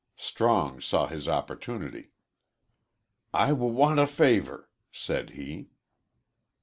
Strong saw his opportunity. "I w want a favor," said he.